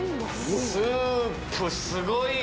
スープすごいよ。